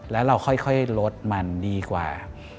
แล้วเราค่อยลดมันดีกว่า